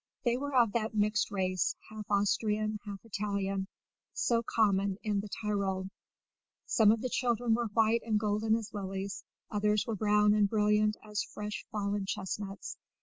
They were of that mixed race, half Austrian, half Italian, so common in the Tyrol; some of the children were white and golden as lilies, others were brown and brilliant as fresh fallen chestnuts.